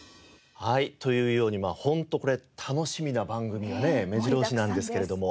はいというようにホントこれ楽しみな番組がねめじろ押しなんですけれども。